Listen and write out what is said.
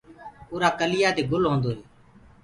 اُرآ ڪليآ دي گُل هودو هي۔